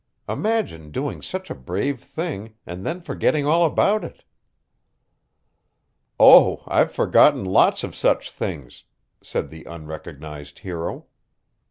Imagine doing such a brave thing, and then forgetting all about it." "Oh, I've forgotten lots of such things," said the unrecognized hero.